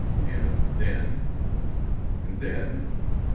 "And then...." "And then